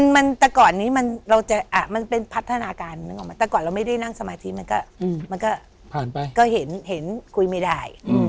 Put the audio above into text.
มันแต่ก่อนนี้มันเป็นพัฒนาการนึกออกไหมแต่ก่อนเราไม่ได้นั่งสมาธิมันก็ผ่านไปก็เห็นคุยไม่ได้